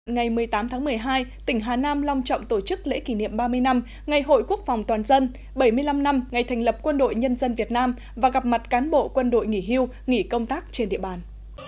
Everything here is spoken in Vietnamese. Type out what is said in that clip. ngày một mươi tám tháng một mươi hai tỉnh hà nam long trọng tổ chức lễ kỷ niệm ba mươi năm ngày hội quốc phòng toàn dân bảy mươi năm năm ngày thành lập quân đội nhân dân việt nam và gặp mặt cán bộ quân đội nghỉ hưu nghỉ công tác trên địa bàn